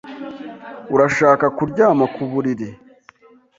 Urashaka kuryama ku buriri?